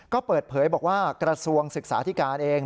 ก็เปิดเผยบอกว่ากระทรวงศึกษาธิการเอง